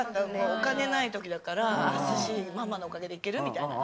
お金ない時だから寿司ママのおかげで行けるみたいな。